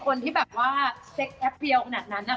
คนที่แบบว่าเซ็กแอปเรียลขนาดนั้น